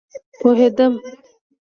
پوهیدم